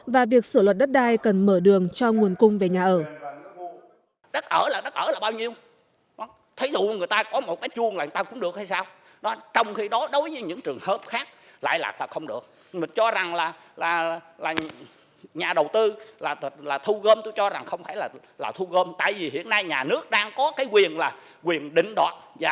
và việc sửa luật đất đai cần mở đường cho nguồn cung về nhà ở